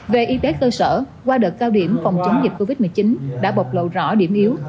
về y tế cơ sở qua đợt cao điểm phòng chống dịch covid một mươi chín đã bộc lộ rõ điểm yếu